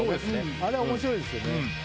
あれは面白いですよね。